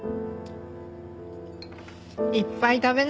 いっぱい食べな。